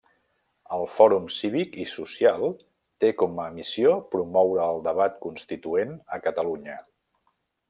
El Fòrum Cívic i Social té com a missió promoure el debat constituent a Catalunya.